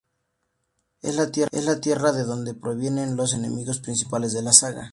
Es la tierra de donde provienen los enemigos principales de la saga.